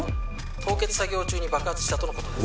「凍結作業中に爆発したとの事です」